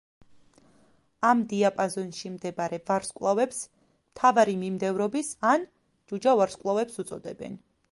ამ დიაპაზონში მდებარე ვარსკვლავებს მთავარი მიმდევრობის ან „ჯუჯა“ ვარსკვლავებს უწოდებენ.